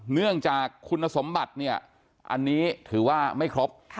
เนื่องจากคุณสมบัติเนี่ยอันนี้ถือว่าไม่ครบ